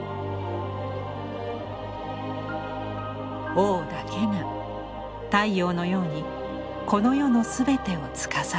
王だけが太陽のようにこの世のすべてをつかさどる。